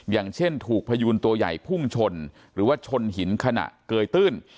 อย่างเช่นถูกพยูนตัวใหญ่พุ่งชนหรือว่าชนหินขณะเกยตื้น